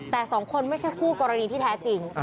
แต่สองคนไม่ใช่คู่กรณีที่แท้จริง